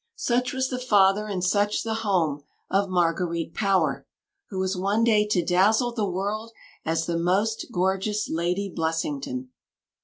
Such was the father and such the home of Marguerite Power, who was one day to dazzle the world as the "most gorgeous Lady Blessington."